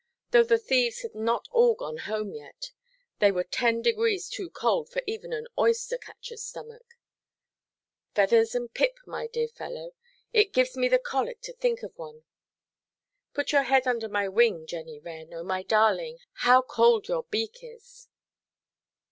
Though the thieves had not all got home yet, they were ten degrees too cold for even an oyster–catcherʼs stomach: feathers and pip, my dear fellow! it gives me the colic to think of one. Put your head under my wing, Jenny Wren; oh, my darling, how cold your beak is!